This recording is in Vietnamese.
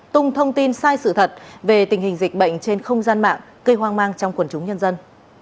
tung thông tin sai sự thật về tình hình dịch bệnh trên không gian mạng gây hoang mang trong quần chúng nhân dân